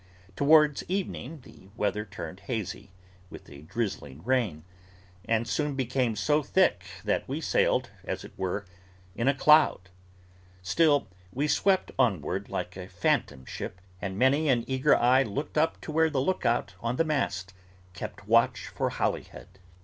Towards evening, the weather turned hazy, with a drizzling rain; and soon became so thick, that we sailed, as it were, in a cloud. Still we swept onward like a phantom ship, and many an eager eye glanced up to where the Look out on the mast kept watch for Holyhead.